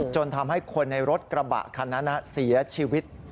จนทำให้คนในรถกระบะคันนั้นเสียชีวิต